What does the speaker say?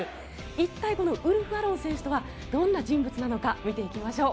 一体ウルフ・アロン選手とはどんな人物なのか見ていきましょう。